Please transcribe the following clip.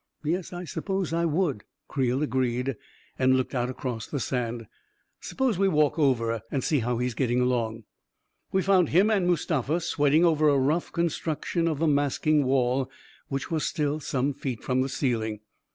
"Yes, I suppose I would," Creel agreed, and looked out across the sand. " Suppose we walk over and see how he's getting along." We found him and Mustafa sweating over a rough reconstruction of the masking wall, which was still some feet from the ceiling.